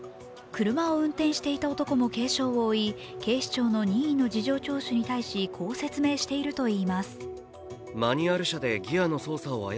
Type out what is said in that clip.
車を運転していた男も軽傷を負い警視庁の任意の事情聴取に対し、こう説明しているといいます。